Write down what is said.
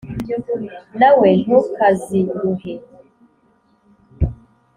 Na we ntukaziruhe